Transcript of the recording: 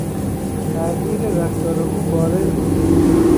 تغییر رفتار او بارز بود.